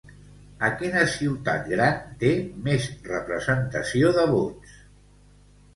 A quina ciutat gran té més representació de vots?